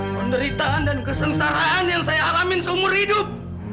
penderitaan dan kesengsaraan yang saya alamin seumur hidup